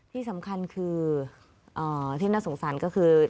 ที่สำคัญคือที่น่าสงสารก็คือ